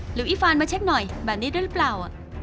อีฟานมาเช็คหน่อยแบบนี้ด้วยหรือเปล่า